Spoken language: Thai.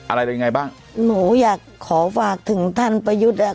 อะไรเป็นยังไงบ้างหนูอยากขอฝากถึงท่านประยุทธ์อ่ะ